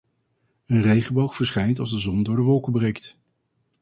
Een regenboog verschijnt als de zon door de wolken breekt.